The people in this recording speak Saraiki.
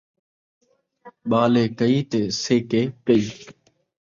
ٻالے کئی تے سیکے کئی